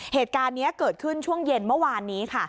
เหตุการณ์นี้เกิดขึ้นช่วงเย็นเมื่อวานนี้ค่ะ